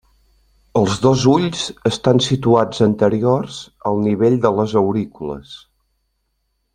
Els dos ulls estan situats anteriors al nivell de les aurícules.